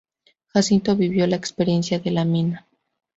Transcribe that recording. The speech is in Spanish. Jacinto vivió la experiencia de la mina.